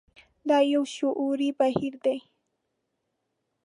دا يو شعوري بهير دی.